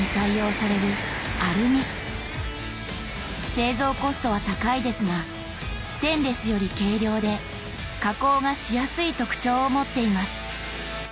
製造コストは高いですがステンレスより軽量で加工がしやすい特徴を持っています。